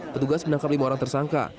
petugas menangkap lima orang tersangka